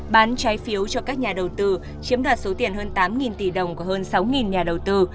bán trái phiếu cho các nhà đầu tư chiếm đoạt số tiền hơn tám tỷ đồng của hơn sáu nhà đầu tư